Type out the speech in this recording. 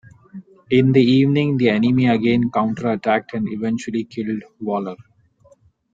In the evening the enemy again counter-attacked and eventually killed Waller.